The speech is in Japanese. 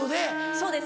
そうです。